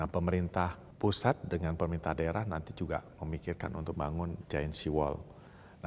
pemerintah pusat dengan pemerintah daerah nanti juga memikirkan untuk bangun giant sea wall